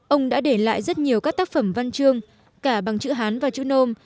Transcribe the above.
ông đã để lại rất nhiều các tác phẩm văn chương cả bằng chữ hán và chữ nôm